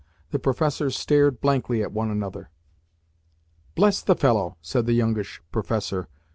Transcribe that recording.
The professors stared blankly at one another. "Bless the fellow!" said the youngish professor.